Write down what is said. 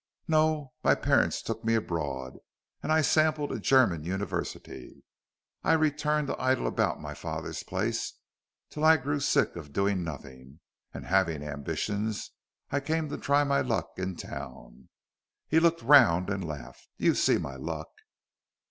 "No. My parents took me abroad, and I sampled a German university. I returned to idle about my father's place, till I grew sick of doing nothing, and, having ambitions, I came to try my luck in town." He looked round and laughed. "You see my luck."